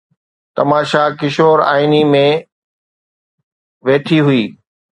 تماشا ڪشور آئيني ۾ ويٺي هئي